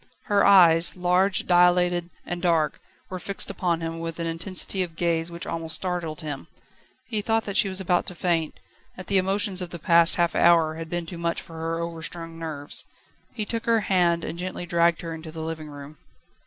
Her eyes, large, dilated, and dark, were fixed upon him with an intensity of gaze which almost startled him. He thought that she was about to faint, that the emotions of the past half hour had been too much for her overstrung nerves. He took her hand, and gently dragged her into the living room.